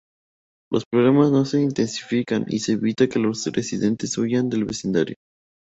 Los problemas no se intensifican y se evita que los residentes huyan del vecindario.